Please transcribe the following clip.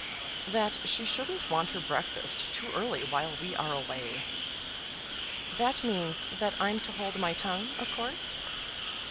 "That she shouldn't want her breakfast too early while we are away." "That means that I'm to hold my tongue, of course."